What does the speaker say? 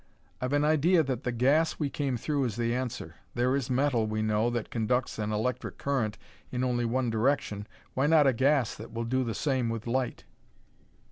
I've an idea that the gas we came through is the answer. There is metal, we know, that conducts an electric current in only one direction: why not a gas that will do the same with light?"